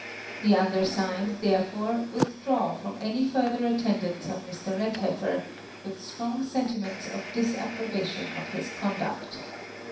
The undersigned, there fore, withdraw from any further attendance on Mr, Kedheffer, v/itli stronr; sentiments of disapprobation of his conduct.